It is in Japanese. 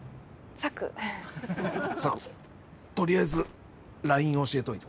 サクとりあえずＬＩＮＥ教えといてくれ。